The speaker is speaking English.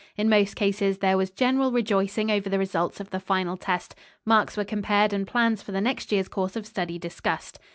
In most cases there was general rejoicing over the results of the final test. Marks were compared and plans for the next year's course of study discussed.